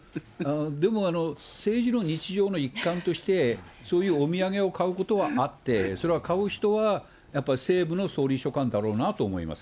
でも、政治の日常の一環として、そういうお土産を買うことはあって、それは買う人は、やっぱり政務の総理秘書官だろうなと思います。